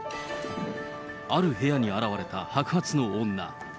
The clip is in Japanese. ある部屋に現れた白髪の女。